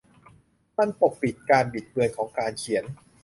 มันปกปิด 'การบิดเบือนของการเขียน'